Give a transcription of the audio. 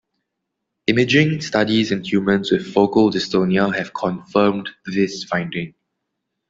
Imaging studies in humans with focal dystonia have confirmed this finding.